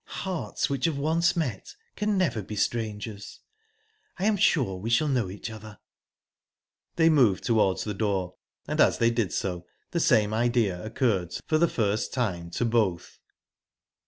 "Hearts which have once met can never be strangers. I am sure we shall know each other." They moved towards the door, and, as they did so, the same idea occurred for the first time to both.